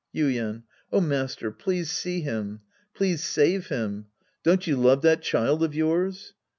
Yuien. Oh, master, please see him. Please save him. Don't you love that child of yours